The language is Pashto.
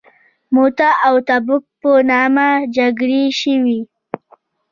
موته او تبوک په نامه جګړې شوي.